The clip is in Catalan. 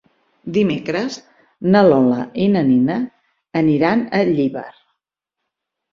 Dimecres na Lola i na Nina aniran a Llíber.